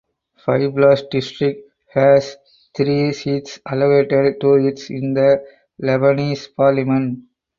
Byblos District has three seats allocated to it in the Lebanese Parliament.